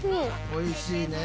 おいしいね。